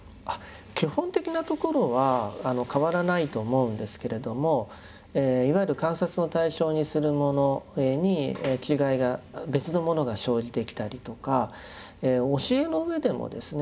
基本的なところは変わらないと思うんですけれどもいわゆる観察の対象にするものに違いが別のものが生じてきたりとか教えの上でもですね